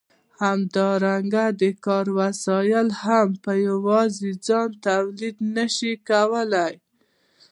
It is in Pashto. همدارنګه د کار وسایل هم په یوازې ځان تولید نشي کولای.